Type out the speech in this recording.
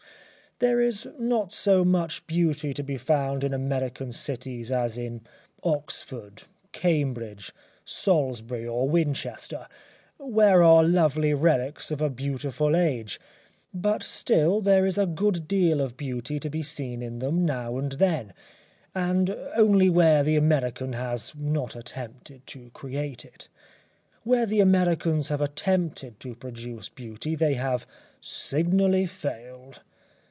There is not so much beauty to be found in American cities as in Oxford, Cambridge, Salisbury or Winchester, where are lovely relics of a beautiful age; but still there is a good deal of beauty to be seen in them now and then, but only where the American has not attempted to create it. Where the Americans have attempted to produce beauty they have signally failed.